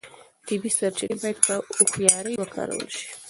طبیعي سرچینې باید په هوښیارۍ وکارول شي.